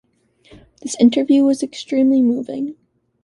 This interview was extremely moving.